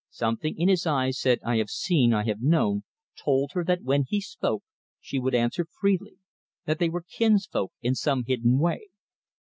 Something in his eyes said, "I have seen, I have known," told her that when he spoke she would answer freely, that they were kinsfolk in some hidden way.